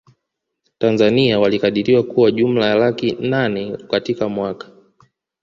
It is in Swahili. Tanzania walikadiriwa kuwa jumla ya laki nane katika mwaka